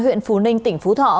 huyện phù ninh tỉnh phú thọ